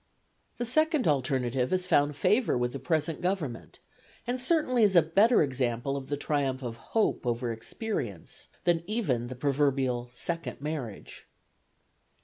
The second alternative has found favour with the present Government, and certainly is a better example of the triumph of hope over experience, than even the proverbial second marriage.